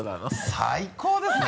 最高ですね。